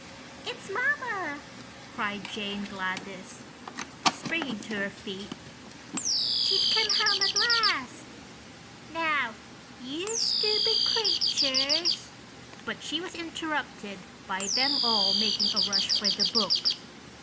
"It's mamma!" cried Jane Gladys, springing to her feet. "She's come home at last. Now, you stupid creatures—" But she was interrupted by them all making a rush for the book.